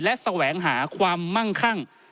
และแสวงหาความมั่งคั่ง